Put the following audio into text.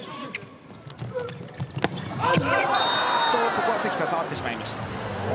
ここは関田、触ってしまいました。